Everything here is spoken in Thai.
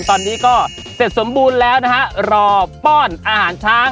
ตอนนี้ก็เสร็จสมบูรณ์แล้วนะฮะรอป้อนอาหารช้าง